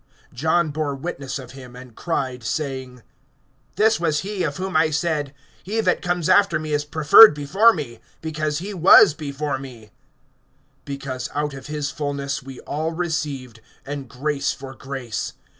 (15)John bore witness of him; and cried, saying: This was he of whom I said, He that comes after me is preferred before me, because he was before me[1:15]. (16)Because out of his fullness we all received, and grace for grace.